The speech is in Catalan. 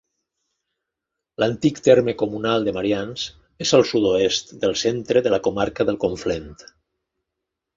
L'antic terme comunal de Marians és al sud-oest del centre de la comarca del Conflent.